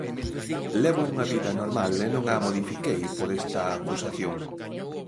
Levo unha vida normal e non a modifiquei por esta acusación.